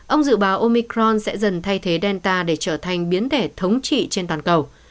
ông dự báo omicron sẽ dần thay thế delta để trở thành biến thể thống trị trên toàn cầu